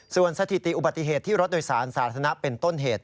ส่วนสถิติอุบัติเหตุที่รถโดยสารสาธารณะเป็นต้นเหตุ